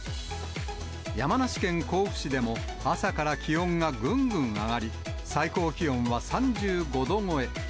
山梨県甲府市でも、朝から気温がぐんぐん上がり、最高気温は３５度超え。